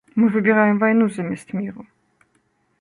Мы выбіраем вайну замест міру.